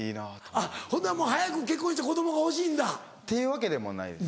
あっほんならもう早く結婚して子供が欲しいんだ？っていうわけでもないですね。